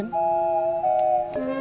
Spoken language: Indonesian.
neng abah selalu nungguin